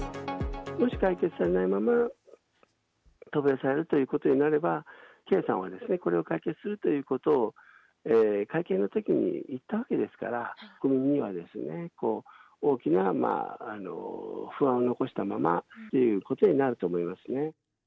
もし解決されないまま渡米されるということになれば、圭さんは、これを解決するということを、会見のときに言ったわけですから、国民には大きな不安を残したままということになると思いますね。